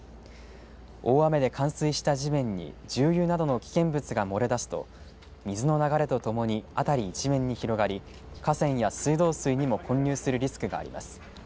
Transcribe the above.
大雨で冠水した地面に重油などの危険物が漏れ出すと水の流れとともに辺り一面に広がり河川や水道水にも混入するリスクがあります。